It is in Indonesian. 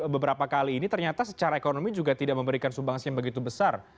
beberapa kali ini ternyata secara ekonomi juga tidak memberikan sumbangsi yang begitu besar